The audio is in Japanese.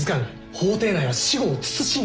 法廷内は私語を慎んで。